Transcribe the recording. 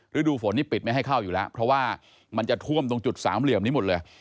ฤดูฝนนี่ปิดไม่ให้เข้าอยู่แล้วเพราะว่ามันจะท่วมตรงจุดสามเหลี่ยมนี้หมดเลย